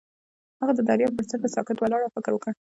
هغه د دریاب پر څنډه ساکت ولاړ او فکر وکړ.